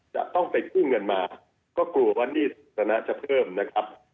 จะต้องไปกู้เงินมาก็กลัวว่าหนี้สนะจะเพิ่มนะครับ